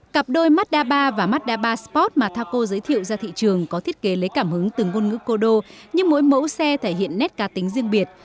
cặp đôi mazda ba và mazda ba sport mà taco giới thiệu ra thị trường có thiết kế lấy cảm hứng từng ngôn ngữ cô đô nhưng mỗi mẫu xe thể hiện nét ca tính riêng biệt